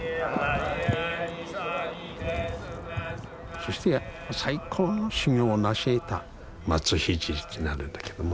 そして最高の修行をなしえた松聖となるんだけども。